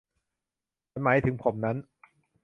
ฉันหมายถึงผมนั้น